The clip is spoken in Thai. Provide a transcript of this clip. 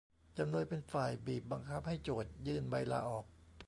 จำเลยเป็นฝ่ายบีบบังคับให้โจทก์ยื่นใบลาออก